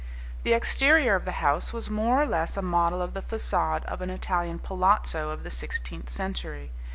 The exterior of the house was more or less a model of the facade of an Italian palazzo of the sixteenth century.